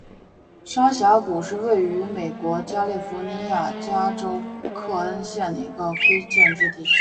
沙峡谷是位于美国加利福尼亚州克恩县的一个非建制地区。